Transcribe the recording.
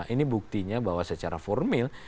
ini buktinya bahwa secara formil